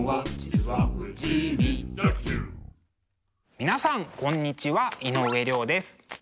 皆さんこんにちは井上涼です。